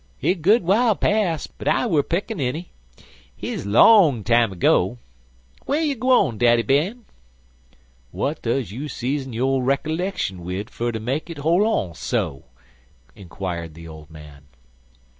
"He good while pas'; when I wer' pickaninny. He long time ago. Wey you gwan, Daddy Ben?" "W'at does you season your recollection wid fer ter make it hol' on so?" inquired the old man.